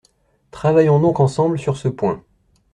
Travaillons donc ensemble sur ce point.